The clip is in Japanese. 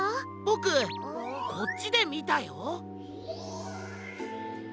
ボクこっちでみたよ！